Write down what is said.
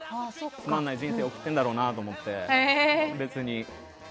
詰まんない人生を送ってんだろうなって思って別に。